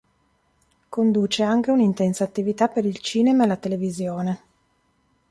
Conduce anche un'intensa attività per il cinema e la televisione.